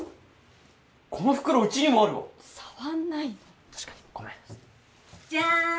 このふくろううちにもあるわ触んないの確かにごめんじゃーん！